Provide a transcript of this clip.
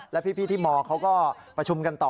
และพี่ที่มเขาก็ประชุมกันต่อ